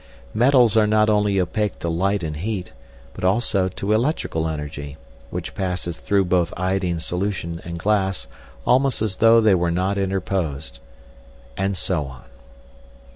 Metals are not only opaque to light and heat, but also to electrical energy, which passes through both iodine solution and glass almost as though they were not interposed. And so on.